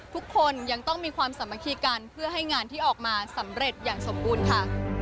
ทุกคนยังต้องมีความสามัคคีกันเพื่อให้งานที่ออกมาสำเร็จอย่างสมบูรณ์ค่ะ